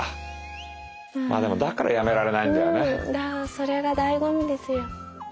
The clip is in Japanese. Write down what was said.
それがだいご味ですよ。